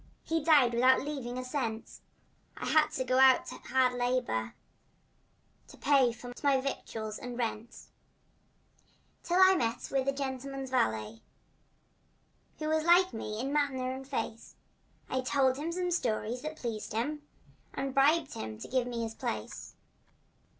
He died without leaving a cent, And I had to go out to hard labor To pay for my victuals and rent; Till I met with a gentleman's valet Who was like me in manner and face, And I told him some stories that pleased him And bribed him to give me his place.